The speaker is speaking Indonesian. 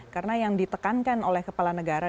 karena yang ditekankan oleh kepala negara